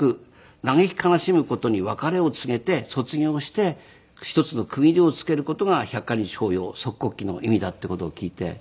嘆き悲しむ事に別れを告げて卒業して一つの区切りをつける事が百箇日法要卒哭忌の意味だっていう事を聞いて。